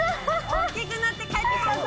大きくなって帰ってきたぞ！